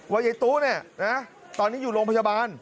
ว่าไยตุ๊กเนี่ยตอนนี้อยู่โรงพยาบาล